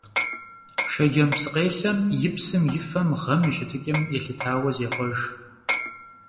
Шэджэм псыкъелъэм и псым и фэм гъэм и щытыкӀэм елъытауэ зехъуэж.